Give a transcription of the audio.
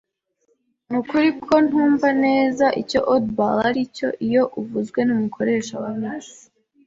Nukuri ko ntumva neza icyo "oddball" aricyo iyo uvuzwe numukoresha wa mixi.